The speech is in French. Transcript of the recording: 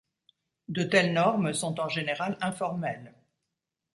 De telles normes sont en général informelles.